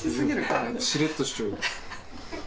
しれっとしちょうより。